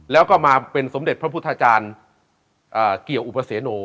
แล้วก็มาเป็นสมเด็จพระพุทธจารย์เกี่ยวอุปเสโน